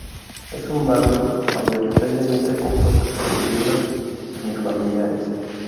Es un barrio mayoritariamente compuesto por viviendas unifamiliares.